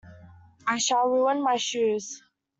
I shall ruin my shoes.